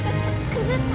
くぐった。